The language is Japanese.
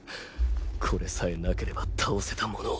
これさえなければ倒せたものを。